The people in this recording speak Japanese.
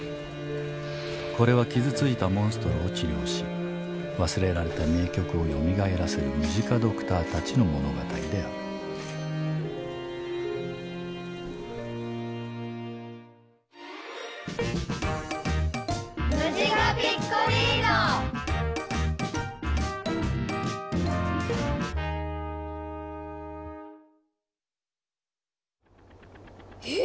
これは傷ついたモンストロを治療し忘れられた名曲をよみがえらせるムジカドクターたちの物語であるええ